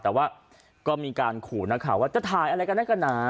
แต่ว่าก็มีการขู่นักข่าวว่าจะถ่ายอะไรกันนักกันหนา